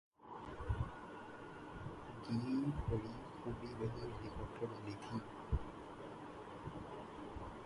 گی‘ لیکن بڑی خوبی وہی ہیلی کاپٹر والی تھی۔